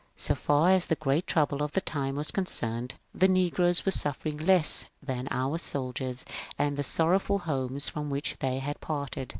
So far as the great trouble of the time was concerned, the negroes were suffering less than our soldiers and the sorrowful homes from which they had parted.